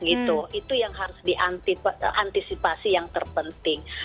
itu yang harus diantisipasi yang terpenting